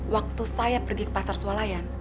waktu saya pergi ke pasar sualayan